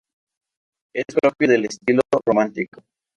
Es propio del estilo Románico.